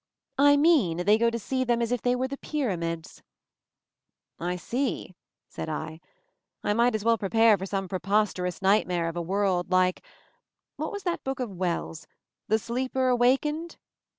"I mean they go to see them as if they were the Pyramids." "I see," said I. "I might as well prepare for some preposterous nightmare of a world, like — what was that book of Wells', 'The Sleeper Awakened?'